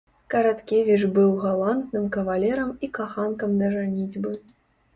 Караткевіч быў галантным кавалерам і каханкам да жаніцьбы.